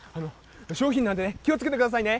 商品なんでね、気をつけてくださいね。